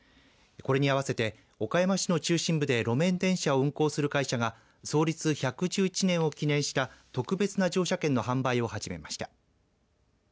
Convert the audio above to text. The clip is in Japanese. これに合わせて岡山市の中心部で路面電車を運行する会社が創立１１１年を記念した特別な乗車券の販売を始めました。